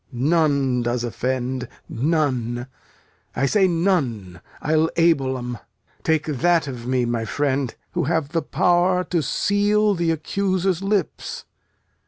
None does offend, none I say none! I'll able 'em. Take that of me, my friend, who have the power To seal th' accuser's lips.